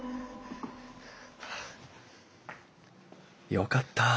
よかった。